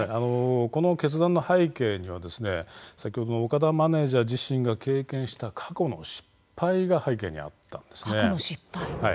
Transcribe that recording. この決断の背景には先ほどの岡田マネージャー自身が経験した過去の失敗が背景にあったんですね。